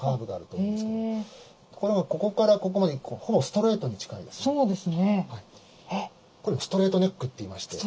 ところがここからここまでほぼストレートに近いですね。